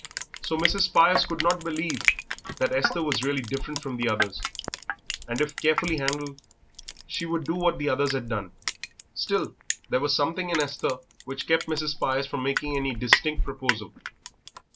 So Mrs. Spires could not believe that Esther was really different from the others, and if carefully handled she would do what the others had done. Still, there was something in Esther which kept Mrs. Spires from making any distinct proposal.